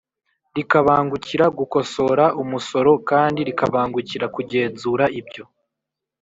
Rikabangukira gukosora umusoro kandi rikabangukira kugenzura ibyo